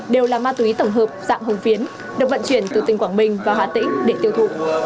đều là ma túy tổng hợp dạng hồng phiến được vận chuyển từ tỉnh quảng bình vào hà tĩnh để tiêu thụ